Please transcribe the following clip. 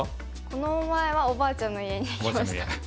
この前はおばあちゃんの家に行きました。